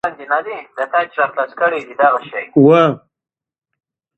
اکسنټ څو ماناوې لري؟